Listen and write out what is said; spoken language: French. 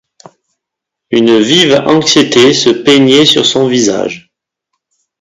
Une vive anxiété se peignait sur son visage.